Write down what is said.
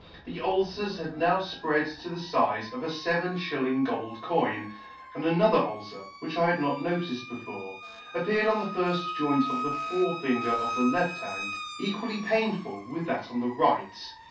The ulcers had now fpread to the fize of a feven fh filing gold coin, and another ulcer, wfiiich O I had [ 98 ] I had not noticed before ; appeared on the firft joint of the fore finger of the left hand, equally painful with that on the right.